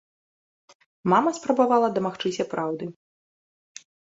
Мама спрабавала дамагчыся праўды.